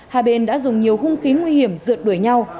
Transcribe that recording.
hai bên đã dùng nhiều hung khí nguy hiểm rượt đuổi nhau